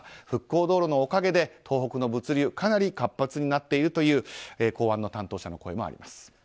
復興道路のおかげで東北の物流はかなり活発になっているという港湾の担当者の声もあります。